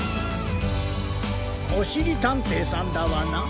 おしりたんていさんダワナ？